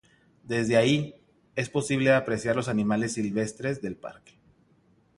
Desde allí, es posible apreciar los animales silvestres del parque.